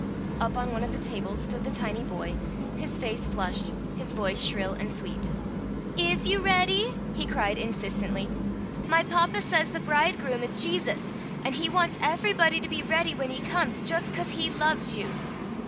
Up on one of the tables stood the tiny boy, his face flushed, his voice shrill and sweet. "Is you ready?" he cried, insistently. "My papa says the Bridegroom is Jesus, an' he wants everybody to be ready when he comes, just 'cause he loves you."